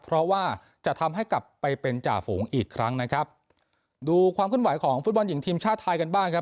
เพราะว่าจะทำให้กลับไปเป็นจ่าฝูงอีกครั้งนะครับดูความขึ้นไหวของฟุตบอลหญิงทีมชาติไทยกันบ้างครับ